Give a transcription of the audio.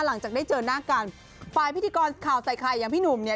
หลังจากได้เจอหน้ากันฝ่ายพิธีกรข่าวใส่ไข่อย่างพี่หนุ่มเนี่ย